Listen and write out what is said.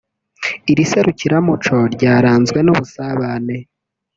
Iri serukiramuco ryaranzwe n’ubusabane